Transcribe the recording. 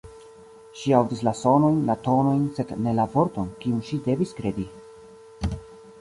Ŝi aŭdis la sonojn, la tonojn, sed ne la vorton, kiun ŝi devis kredi.